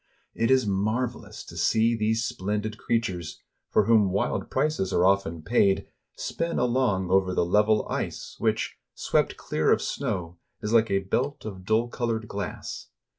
It is marvelous to see these splendid creatures, for whom wild prices are often paid, spin along over the level ice, which, swept clear of snow, is like a belt of dull colored glass.